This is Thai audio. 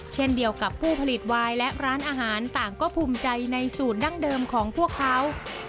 เช่นเดียวกับผู้ผลิตวายและร้านอาหารต่างก็ภูมิใจในสูตรดั้งเดิมของพวกเขา